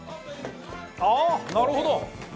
なるほど。